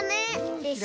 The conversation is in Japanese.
でしょ？